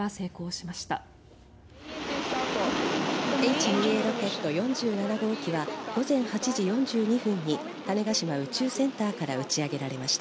Ｈ２Ａロケット４７号機が今日午前８時４２分に種子島宇宙センターから打ち上げられまし。